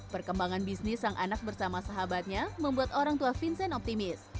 perkembangan bisnis sang anak bersama sahabatnya membuat orang tua vincent optimis